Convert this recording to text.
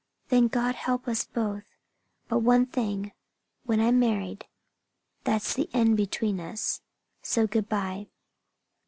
"Then God help us both! But one thing when I'm married, that's the end between us. So good by."